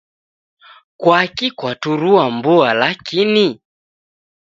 Kwakii kwaturua mbua lakini?